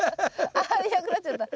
ああいなくなっちゃった。